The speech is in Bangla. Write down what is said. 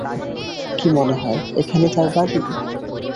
কি মনে হয় এখানে তার বাড়ি?